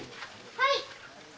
・はい！